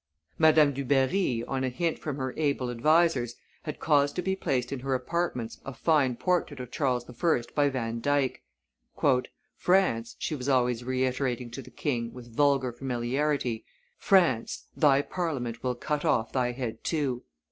Madame Dubarry, on a hint from her able advisers, had caused to be placed in her apartments a fine portrait of Charles I. by Van Dyck. "France," she was always reiterating to the king with vulgar familiarity, "France, thy Parliament will cut off thy head too!"